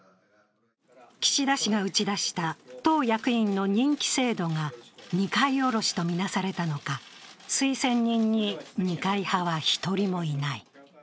岸田氏が打ち出した党役員の任期制度が二階おろしと見なされたのか、推薦人に二階派は１人もいない。